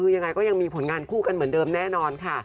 คือยังไงก็ยังมีผลงานคู่กันเหมือนเดิมแน่นอนค่ะ